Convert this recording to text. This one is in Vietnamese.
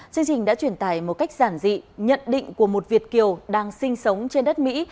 chương trình đã truyền tải một cách giản dị nhận định của một việt kiều đang sinh sống trên đất mỹ